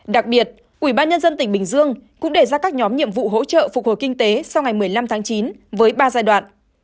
đặc biệt ubnd tỉnh bình dương cũng đề ra các nhóm nhiệm vụ hỗ trợ phục hồi kinh tế sau ngày một mươi năm tháng chín với ba giai đoạn